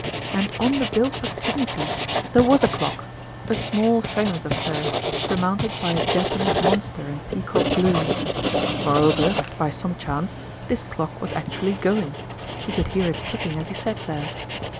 And on the built up chimneypiece there was a clock, a small faience affair surmounted by a Japanese monster in peacock blue. Moreover, by some chance, this clock was actually going he could hear it ticking as he sat there.